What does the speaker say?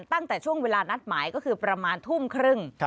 ตั้งแต่ช่วงเวลานัดหมายก็คือประมาณทุ่มครึ่ง